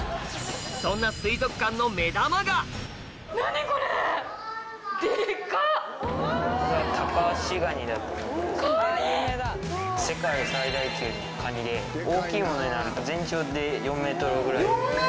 そんな世界最大級のカニで大きいものになると全長で４ｍぐらい。